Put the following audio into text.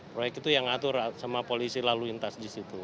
proyek itu yang atur sama polisi lalu lintas di situ